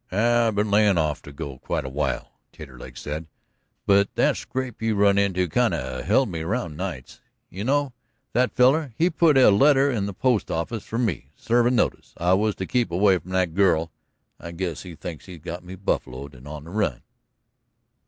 "I've been layin' off to go quite a while," Taterleg said, "but that scrape you run into kind of held me around nights. You know, that feller he put a letter in the post office for me, servin' notice I was to keep away from that girl. I guess he thinks he's got me buffaloed and on the run."